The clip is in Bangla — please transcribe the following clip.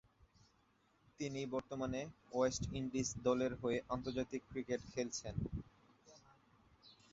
তিনি বর্তমানে ওয়েস্ট ইন্ডিজ দলের হয়ে আন্তর্জাতিক ক্রিকেট খেলছেন।